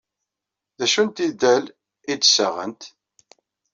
D acu n tidal ay d-ssaɣent?